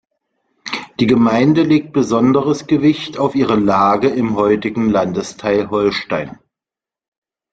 Die Gemeinde legt besonderes Gewicht auf ihre Lage im heutigen Landesteil Holstein.